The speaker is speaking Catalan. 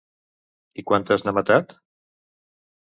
I quantes n'ha matat?